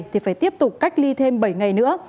thì phải tiếp tục cách ly thêm bảy ngày nữa